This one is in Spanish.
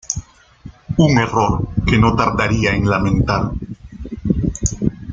Un error que no tardaría en lamentar.